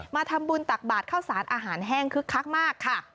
มาทำบุญตักบาทเข้าสารอาหารแห้งคึกคักมากค่ะ